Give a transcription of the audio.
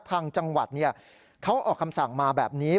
ทางจังหวัดเขาออกคำสั่งมาแบบนี้